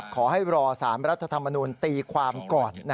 ขอให้รอ๓รัฐธรรมนุนตีความก่อน